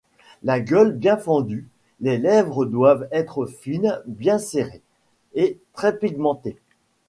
La gueule bien fendue, les lèvres doivent être fines bien serrées, et très pigmentées.